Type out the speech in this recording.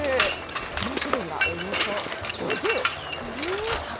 その種類はおよそ５０。